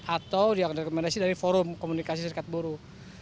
atau rekomendasi dari forum komunikasi serikat buruh